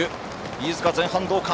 飯塚は前半どうか。